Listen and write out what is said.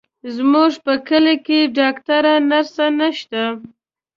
زموږ په کلي کې ډاکتره، نرسه نشته،